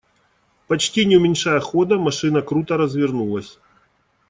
Почти не уменьшая хода, машина круто развернулась.